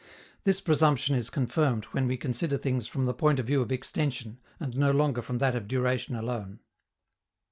This presumption is confirmed when we consider things from the point of view of extension, and no longer from that of duration alone.